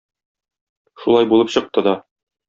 Шулай булып чыкты да.